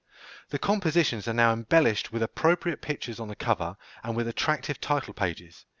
The compositions are now embellished with appropriate pictures on the cover, and with attractive title pages.